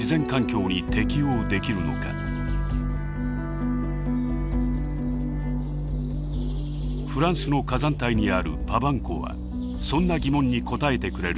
フランスの火山帯にあるパヴァン湖はそんな疑問に答えてくれる場所です。